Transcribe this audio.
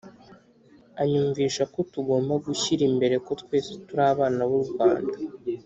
Anyumvisha ko tugomba gushyira imbere ko twese turi abana b'u Rwanda